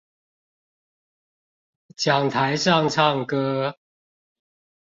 講台上唱歌